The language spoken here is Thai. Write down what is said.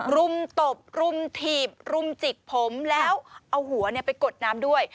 รุมตบรุมถีบรุมจิกผมแล้วเอาหัวไปกดน้ำด้วย